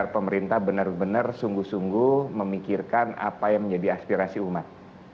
pemerintah benar benar sungguh sungguh memikirkan apa yang menjadi aspirasi umat